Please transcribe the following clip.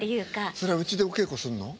それはうちでお稽古するの？